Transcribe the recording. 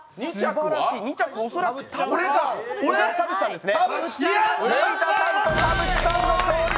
２着は恐らく、田渕さんですね。